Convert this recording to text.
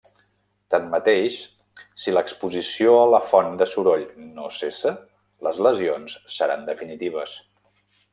Tanmateix, si l'exposició a la font de soroll no cessa, les lesions seran definitives.